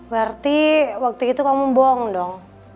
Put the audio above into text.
berarti waktu itu kamu bohong dong